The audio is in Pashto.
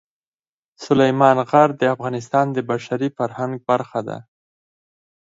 سلیمان غر د افغانستان د بشري فرهنګ برخه ده.